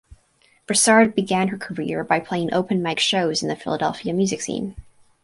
Broussard began her career by playing open mic shows in the Philadelphia music scene.